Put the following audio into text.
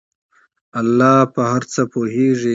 الله په هر څه پوهیږي.